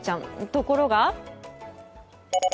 ところが。